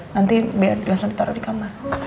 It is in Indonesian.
nanti biar langsung ditaruh di kamar